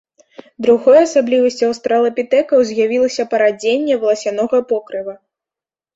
Другой асаблівасцю аўстралапітэкаў з'явілася парадзенне валасянога покрыва.